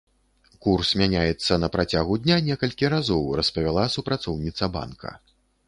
Курс мяняецца на працягу дня некалькі разоў, распавяла супрацоўніца банка.